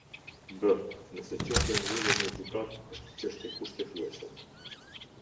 B. Nëse çështja e ngritur në Gjykatë është çështje kushtetuese.